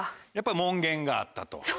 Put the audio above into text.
やっぱり門限があったと。